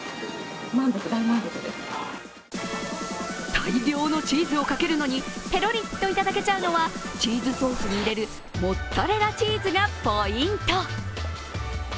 大量のチーズをかけるのにペロリといただけちゃうのはチーズソースに入れるモッツァレラチーズがポイント。